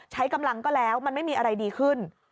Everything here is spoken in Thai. ใช้กำลังก็แล้วมันไม่มีอะไรดีขึ้น